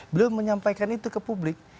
beliau menyampaikan itu ke publik